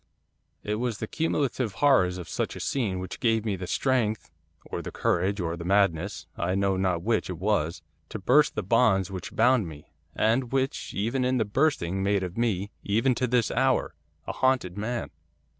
'It was the cumulative horrors of such a scene which gave me the strength, or the courage, or the madness, I know not which it was, to burst the bonds which bound me, and which, even in the bursting, made of me, even to this hour, a haunted man.